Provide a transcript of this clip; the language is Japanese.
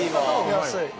安い。